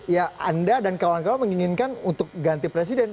ya anda dan kawan kawan menginginkan untuk ganti presiden